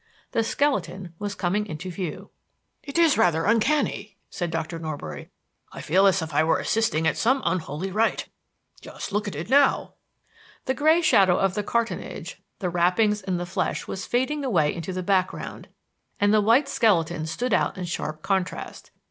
The skeleton was coming into view. "It is rather uncanny," said Dr. Norbury. "I feel as if I were assisting at some unholy rite. Just look at it now!" The gray shadow of the cartonnage, the wrappings and the flesh was fading away into the background and the white skeleton stood out in sharp contrast.